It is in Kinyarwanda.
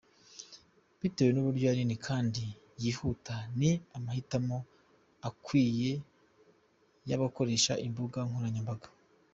Bitewe n’uburyo ari nini kandi yihuta, ni amahitamo akwiye y’abakoresha imbuga nkoranyambaga.